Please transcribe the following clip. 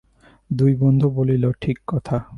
দুই বন্ধু বলিল, ঠিক কথা।